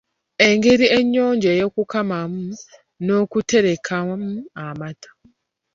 Engeri ennyonjo ey’okukamamu n’okuterekamu amata